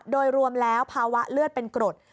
โดยรวมแล้วภาวะเลือดเป็นกรด